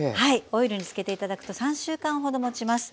オイルに漬けて頂くと３週間ほどもちます。